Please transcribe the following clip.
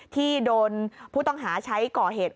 ที่โดนผู้ต้องหาใช้ก่อเหตุ